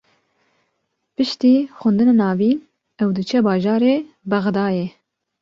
Piştî xwendina navîn, ew diçe bajarê Bexdayê